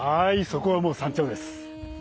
そこはもう山頂です。